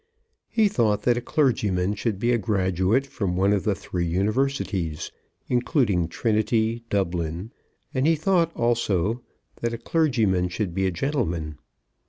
He thought that a clergyman should be a graduate from one of the three universities, including Trinity, Dublin; and he thought, also, that a clergyman should be a gentleman.